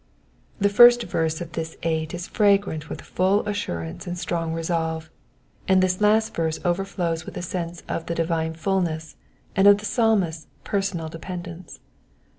The first verse of this eight is fragrant with full assurance and strong resolve, and this last verse overflows with a sense of the divine fulness, and of thji Psalmist's personal dependence.